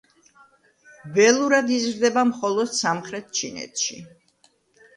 ველურად იზრდება მხოლოდ სამხრეთ ჩინეთში.